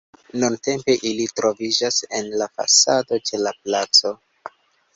Nuntempe ili troviĝas en la fasado ĉe la placo.